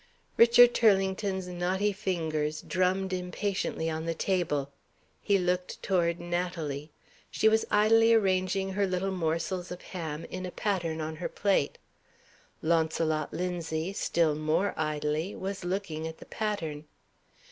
Richard Turlington's knotty fingers drummed impatiently on the table. He looked toward Natalie. She was idly arranging her little morsels of ham in a pattern on her plate. Launcelot Linzie, still more idly, was looking at the pattern.